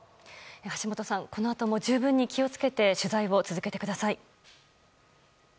橋本さん、このあとも十分に気を付けて取材を続けてください。